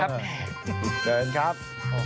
เดินครับ